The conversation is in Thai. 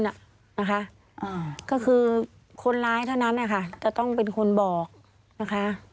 นะคะอ่าก็คือคนร้ายเท่านั้นนะคะจะต้องเป็นคนบอกนะคะ